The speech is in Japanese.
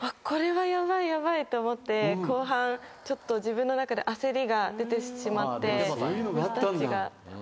これはヤバいヤバいと思って後半ちょっと自分の中で焦りが出てしまってミスタッチが。